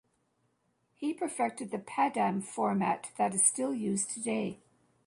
He perfected the "padam" format that is still used today.